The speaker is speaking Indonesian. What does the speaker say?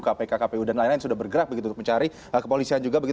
kpk kpu dan lain lain sudah bergerak begitu untuk mencari kepolisian juga